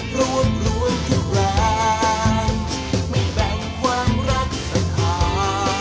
รวดรวมทุกแปลงไม่แบ่งความรักษฐาน